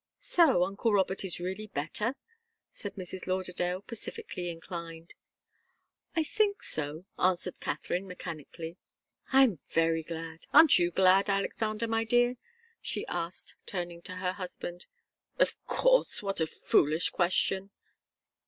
"So uncle Robert is really better," said Mrs. Lauderdale, pacifically inclined. "I think so," answered Katharine, mechanically. "I'm very glad. Aren't you glad, Alexander, my dear?" she asked, turning to her husband. "Of course. What a foolish question!"